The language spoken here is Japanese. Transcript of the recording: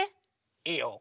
いいよ。